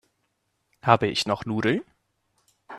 Habe ich noch Nudeln?